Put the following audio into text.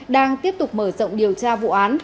đang tiếp tục mở rộng điều tra vụ án